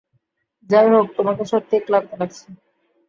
যাই হোক, তোমাকে সত্যিই ক্লান্ত লাগছে।